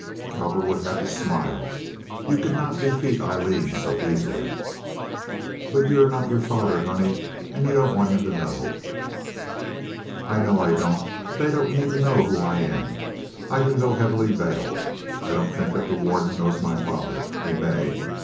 Cowperwood had to smile. You could not defeat Aileen so easily. "But you're not your father, honey; and you don't want him to know." "I know I don't, but they don't need to know who I am. I can go heavily veiled. I don't think that the warden knows my father. He may.